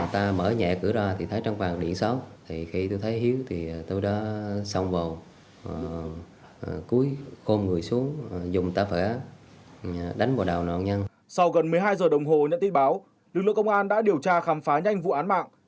sau gần một mươi hai h đồng hồ nhận tin báo lực lượng công an đã điều tra khám phá nhanh vụ án mạng